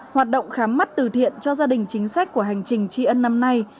hoạt động khám mắt từ thiện cho gia đình chính sách của hành trình tri ân năm nay